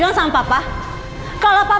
saat salah ku melakukan